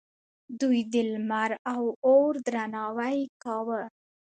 دوی د لمر او اور درناوی کاوه